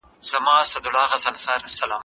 په لاره کې احتیاط وکړئ.